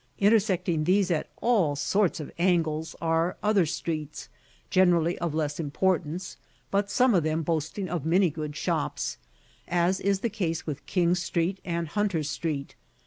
Intersecting these at all sorts of angles are other streets, generally of less importance, but some of them boasting of many good shops, as is the case with King Street and Hunter Street.